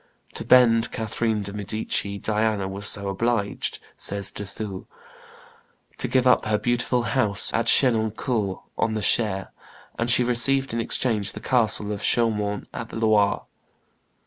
"To bend Catherine de' Medici, Diana was also obliged," says De Thou, "to give up her beautiful house at Chenonceaux on the Cher, and she received in exchange the castle of Chaumont on the Loire."